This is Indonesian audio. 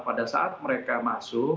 pada saat mereka masuk